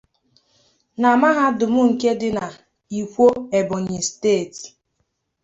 iji nwee ike ije ozi ha nke ọma n'etiti ha